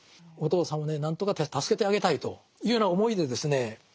お父さんをね何とか助けてあげたいというような思いでですね